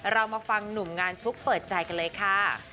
เรามาฟังหนุ่มงานชุกเปิดใจกันเลยค่ะ